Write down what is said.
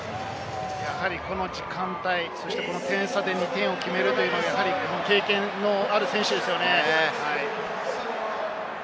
やはりこの時間帯、この点差で２点を決めるというのは経験のある選手ですよね。